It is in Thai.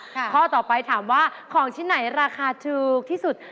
ข้อต่อไปถามว่าของชิ้นไหนราคาถูกที่สุด